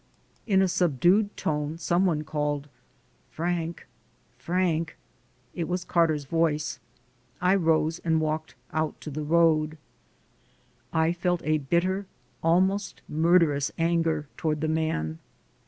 In a subdued tone some one called, "Frank ... Frank ..." It was Carter's voice. I rose and walked out to the road. I felt a bitter, almost murderous anger toward the man.